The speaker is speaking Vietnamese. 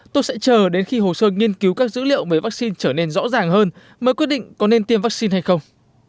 tôi sẽ chờ đến khi hồ sơ nghiên cứu các dữ liệu về vắc xin trở nên rõ ràng hơn mới quyết định có nên tiêm vắc xin hay không